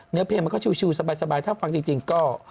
เนื้อเพลงมันก็ชิวสบายถ้าฟังจริงก็